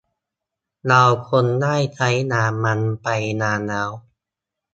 เราคงได้ใช้งานมันไปนานแล้ว